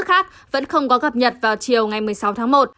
các báo cáo khác vẫn không có gặp nhật vào chiều ngày một mươi sáu tháng một